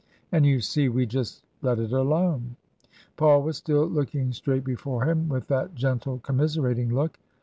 And you see we just let it alone." Paul was still looking straight before him with that gentle, commiserating look.